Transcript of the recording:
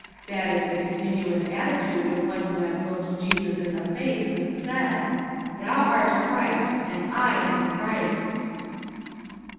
That is the continuous attitude of one who has looked Jesus in the face and said: 'Thou art Christ, and I am Christ's.